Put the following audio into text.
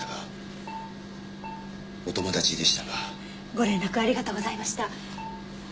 ご連絡ありがとうございました。